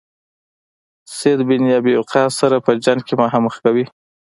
سعد بن ابي وقاص سره په جنګ کې مخامخ کوي.